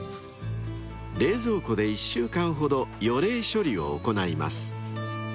［冷蔵庫で１週間ほど予冷処理を行います］